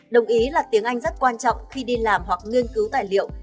đồng ý là tiếng anh rất quan trọng khi đi làm hoặc nghiên cứu tài liệu